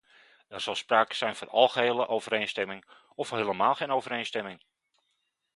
Er zal sprake zijn van algehele overeenstemming of helemaal geen overeenstemming.